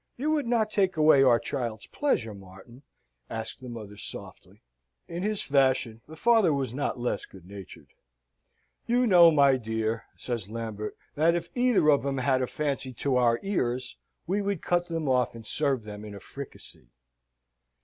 You would not take away our child's pleasure, Martin?" asked the mother, softly. In his fashion, the father was not less good natured. "You know, my dear," says Lambert, "that if either of 'em had a fancy to our ears, we would cut them off and serve them in a fricassee."